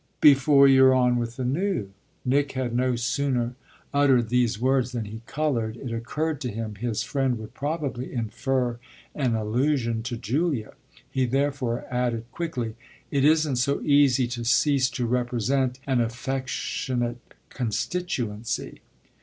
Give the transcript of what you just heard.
"Before you're on with the new!" Nick had no sooner uttered these words than he coloured: it occurred to him his friend would probably infer an allusion to Julia. He therefore added quickly: "It isn't so easy to cease to represent an affectionate constituency.